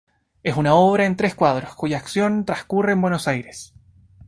Es una obra en tres cuadros cuya acción transcurre en Buenos Aires.